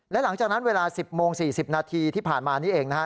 และหลังจากนั้นเวลา๑๐โมง๔๐นาทีที่ผ่านมานี้เองนะฮะ